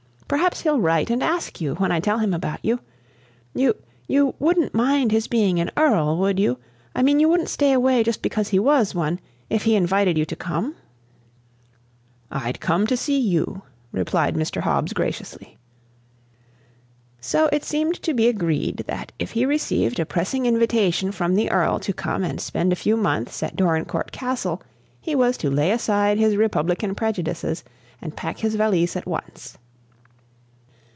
Perhaps he'll write and ask you, when I tell him about you. You you wouldn't mind his being an earl, would you, I mean you wouldn't stay away just because he was one, if he invited you to come?" "I'd come to see you," replied Mr. Hobbs, graciously. So it seemed to be agreed that if he received a pressing invitation from the Earl to come and spend a few months at Dorincourt Castle, he was to lay aside his republican prejudices and pack his valise at once.